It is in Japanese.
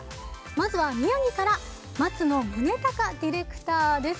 まずは宮城から松野宗孝ディレクターです。